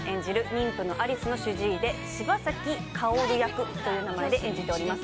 妊婦の有栖の主治医で柴崎薫という名前で演じております